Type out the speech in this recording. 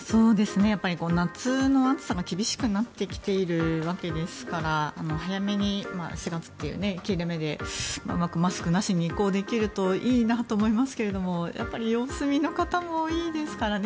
やっぱり夏の暑さが厳しくなってきているわけですから早めに、４月という切れ目でうまくマスクなしに移行できるといいなと思いますけれども様子見の方も多いですからね